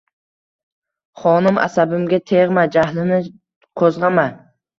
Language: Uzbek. — Xonim, asabimga teg'ma, jahlimni qo'zg'ama!